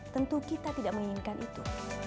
tentu kita tidak menginginkan itu